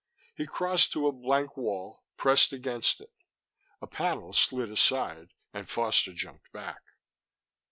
He crossed to a blank wall, pressed against it. A panel slid aside and Foster jumped back.